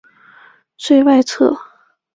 最外侧脚趾无法接触地面。